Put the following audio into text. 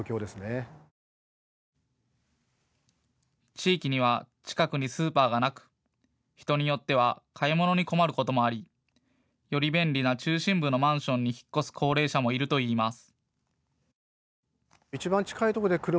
地域には近くにスーパーがなく人によっては買い物に困ることもありより便利な中心部のマンションに引っ越す高齢者もいるといいます。